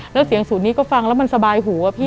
แล้วเสียงสูตรนี้ก็ฟังแล้วมันสบายหูอะพี่